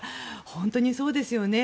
本当にそうですよね。